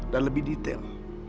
dan lebih detail